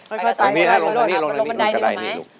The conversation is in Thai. อันนี้ลงอันนี้ลงตั๊กก้อยลงบันไดดีกว่าไหม